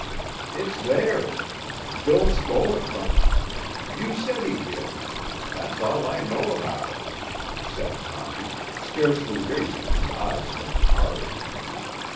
"It's theirs. Bill stole it from them. You said he did. That's all I know about it," said Toppy, scarcely raising his eyes from the cards.